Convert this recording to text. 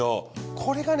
これがね